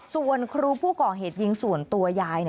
ส่วนครูผู้ก่อเหตุยิงส่วนตัวยาย